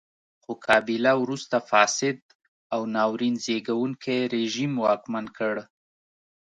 خو کابیلا وروسته فاسد او ناورین زېږوونکی رژیم واکمن کړ.